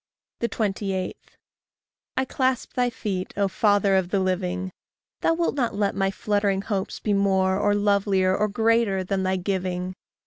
28. I clasp thy feet, O father of the living! Thou wilt not let my fluttering hopes be more, Or lovelier, or greater, than thy giving!